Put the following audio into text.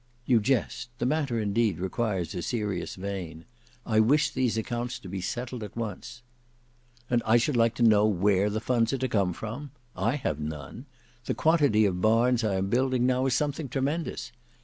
"You jest: the matter indeed requires a serious vein. I wish these accounts to be settled at once." "And I should like to know where the funds are to come from! I have none. The quantity of barns I am building now is something tremendous!